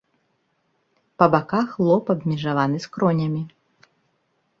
Па баках лоб абмежаваны скронямі.